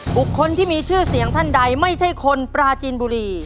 คนที่มีชื่อเสียงท่านใดไม่ใช่คนปราจีนบุรี